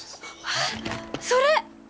あっそれ！